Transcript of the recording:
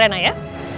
jagain rena ya